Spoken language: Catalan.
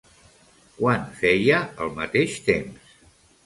Quan feia el mateix temps?